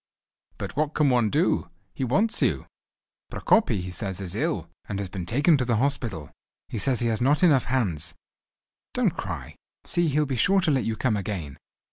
"But what can one do? He wants you. Prokopy, he says, is ill, and has been taken to the hospital. He says he has not enough hands. Don't cry! See, he'll be sure to let you come again.